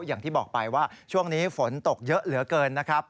อย่างที่บอกไปว่าช่วงนี้ฝนตกเยอะเหลือเกินนะครับ